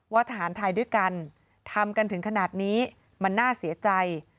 ทหารไทยด้วยกันทำกันถึงขนาดนี้มันน่าเสียใจ